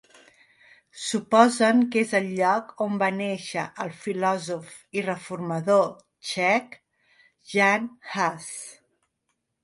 Suposen que és el lloc on va néixer el filòsof i reformador txec, Jan Hus.